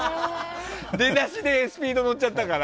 出だしでスピードに乗っちゃったから。